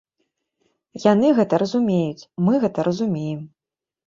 Яны гэта разумеюць, мы гэта разумеем.